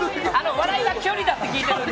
笑いは距離だと聞いてるんで。